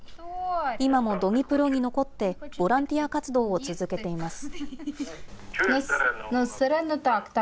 今もドニプロに残って、ボランティア活動を続けています。